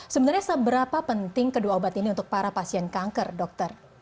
sebenarnya seberapa penting kedua obat ini untuk para pasien kanker dokter